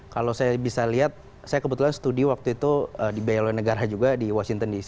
kalau saya bisa lihat saya kebetulan studi waktu itu dibiaya oleh negara juga di washington dc